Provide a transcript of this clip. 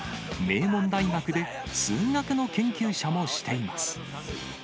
名門大学で数学の研究者もしています。